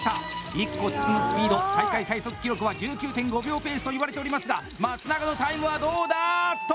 １個包むスピード大会最速記録は１９．５秒ペースといわれておりますが松永のタイムは、どうだあっと！